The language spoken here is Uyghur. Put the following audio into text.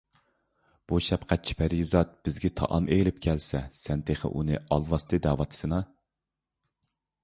بۇ شەپقەتچى پەرىزات بىزگە تائام ئېلىپ كەلسە، سەن تېخى ئۇنى ئالۋاستى دەۋاتىسىنا؟